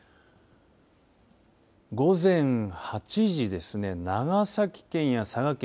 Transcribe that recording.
午前８時ですね長崎県や佐賀県、